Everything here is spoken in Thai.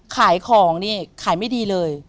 ขายของนี่ขายไม่ดีเลย